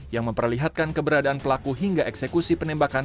yang memperlihatkan keberadaan pelaku hingga eksekusi penembakan